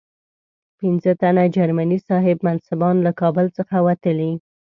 پنځه تنه جرمني صاحب منصبان له کابل څخه وتلي.